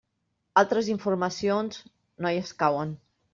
Altres informacions: no hi escauen.